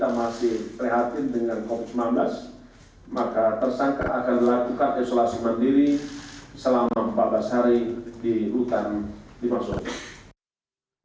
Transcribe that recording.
maka tersangka akan melakukan isolasi mandiri selama empat belas hari di hutan di pasok